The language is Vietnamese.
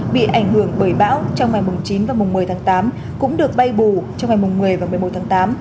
bị ảnh hưởng bởi bão trong ngày chín và một mươi tháng tám cũng được bay bù trong ngày một mươi và một mươi một tháng tám